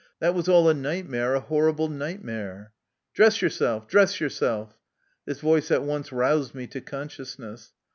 That was all a nightmare, a horrible nightmare." " Dress yourself, dress yourself !" This voice at once roused me to consciousness.